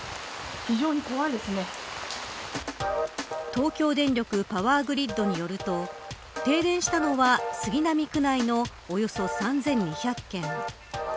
東京電力パワーグリッドによると停電したのは、杉並区内のおよそ３２００件。